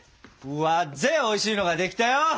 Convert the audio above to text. わっぜおいしいのが出来たよ！